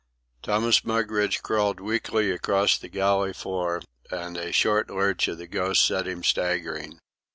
Thomas Mugridge crawled weakly across the galley floor, and a short lurch of the Ghost sent him staggering.